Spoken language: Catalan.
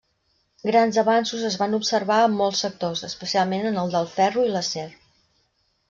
Grans avanços es van observar en molts sectors, especialment en el del ferro i l'acer.